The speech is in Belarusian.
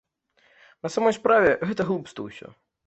На самой справе гэта глупства ўсё.